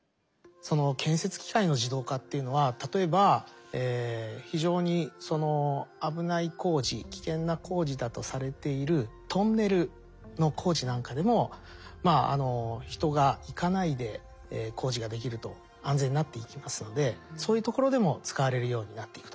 建設機械の自動化っていうのは例えば非常に危ない工事危険な工事だとされているトンネルの工事なんかでも人が行かないで工事ができると安全になっていきますのでそういうところでも使われるようになっていくと。